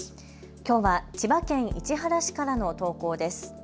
きょうは千葉県市原市からの投稿です。